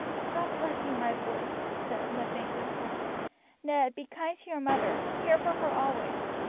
"God bless you, my boys!" he said, in a faint whisper. "Ned, be kind to your mother; care for her always.